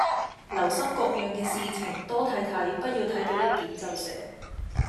留心各樣嘅事情，多睇睇，不要睇到一點就寫